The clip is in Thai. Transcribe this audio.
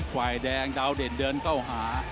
ฝ่ายแดงดาวเด่นเดินเข้าหา